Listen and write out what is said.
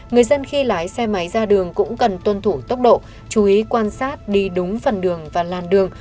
người dân khi lái xe máy ra đường cũng cần tuân thủ tốc độ